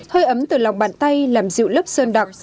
hơi ấm từ lòng bàn tay làm dịu lớp sơn đặc